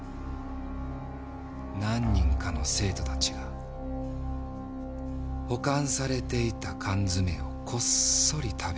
何人かの生徒たちが保管されていた缶詰をこっそり食べようとした丑三つ時。